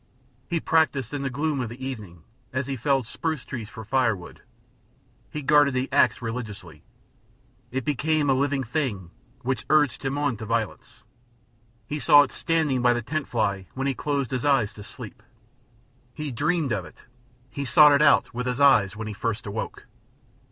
He practiced in the gloom of evening as he felled spruce trees for firewood; he guarded the ax religiously; it became a living thing which urged him on to violence. He saw it standing by the tent fly when he closed his eyes to sleep; he dreamed of it; he sought it out with his eyes when he first awoke.